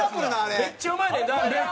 めっちゃうまいねんなあれな。